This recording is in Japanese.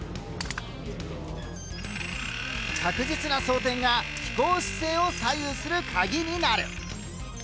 確実な装填が飛行姿勢を左右する鍵になる。